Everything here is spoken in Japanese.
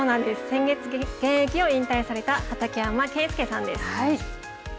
先月現役を引退された畠山健介さんなんです。